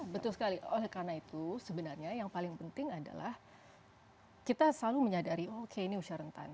betul sekali oleh karena itu sebenarnya yang paling penting adalah kita selalu menyadari oke ini usia rentan